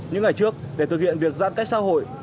những ngày trước để thực hiện việc giãn cách xã hội